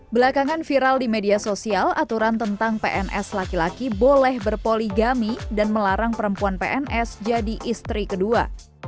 belakangan viral di media sosial aturan tentang pns laki laki boleh berpoligami dan melarang perempuan pns jadi istri kedua